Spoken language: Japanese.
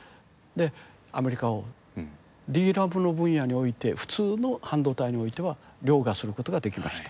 アメリカをＤＲＡＭの分野において普通の半導体においてはりょうがすることができました。